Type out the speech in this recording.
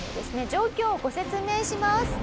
状況をご説明します。